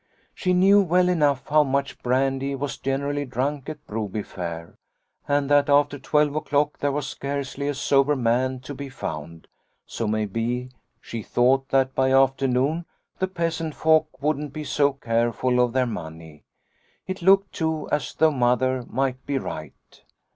She knew well enough how much brandy was generally drunk at Broby fair, and that after twelve o'clock there was scarcely a sober man to be found, so maybe she thought that by afternoon the peasant folk wouldn't be so careful of their money. It looked, too, as though Mother might be right.